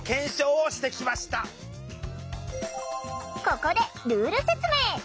ここでルール説明！